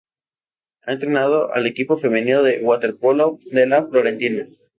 Ha entrenado al equipo femenino de waterpolo de la Fiorentina.